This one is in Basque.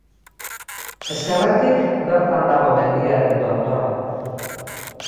Ezkerretik, bertan dago mendiaren tontorra.